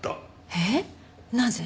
えっなぜ？